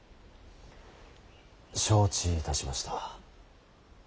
承知いたしました。